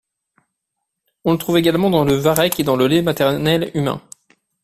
On le trouve également dans le varech et dans le lait maternel humain.